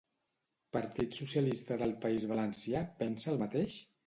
PSPV pensa el mateix?